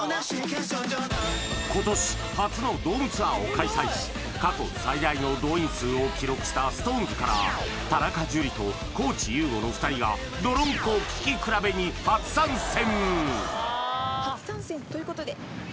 今年初のドームツアーを開催し過去最大の動員数を記録したＳｉｘＴＯＮＥＳから田中樹と地優吾の２人が泥んこ聴き比べに初参戦！